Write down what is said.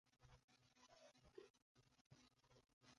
The Conservatives are a centre-right party.